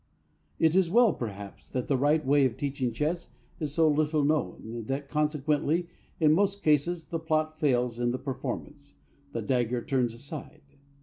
It is well, perhaps, that the right way of teaching chess is so little known, that consequently in most cases the plot fails in the performance, the dagger turns aside.